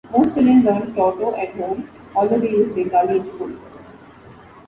Most children learn Toto at home, although they use Bengali in school.